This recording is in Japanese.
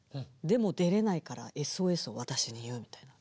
でも出れないからＳＯＳを私に言うみたいな。